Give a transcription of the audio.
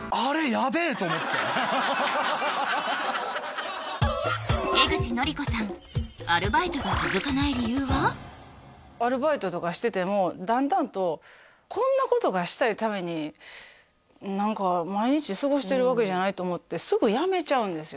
やべーと思ってアルバイトとかしててもだんだんとこんなことがしたいために何か毎日過ごしてるわけじゃないと思ってすぐ辞めちゃうんですよ